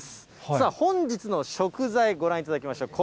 さあ、本日の食材、ご覧いただきましょう。